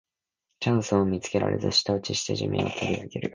チャンスを見つけられず舌打ちをして地面をけりあげる